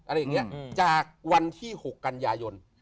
อะไรอย่างนี้จากวันที่๖กันยายน